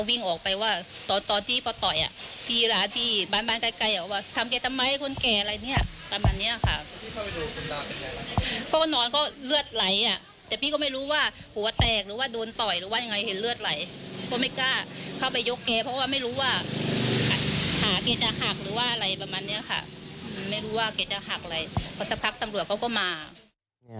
ไม่รู้ว่าเกตจะหักอะไรเพราะสักครั้งตำรวจเขาก็มา